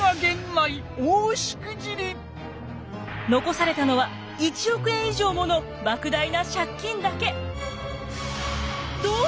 残されたのは１億円以上もの莫大な借金だけ。